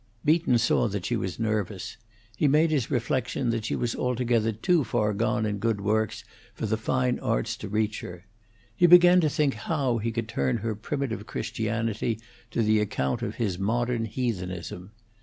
Beaton saw that she was nervous; he made his reflection that she was altogether too far gone in good works for the fine arts to reach her; he began to think how he could turn her primitive Christianity to the account of his modern heathenism.